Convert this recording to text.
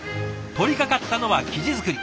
取りかかったのは生地作り。